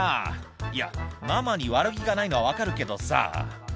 「いやママに悪気がないのは分かるけどさ」